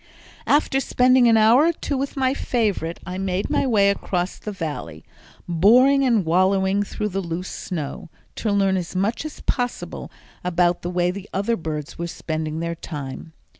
After spending an hour or two with my favorite, I made my way across the Valley, boring and wallowing through the loose snow, to learn as much as possible about the way the other birds were spending their time.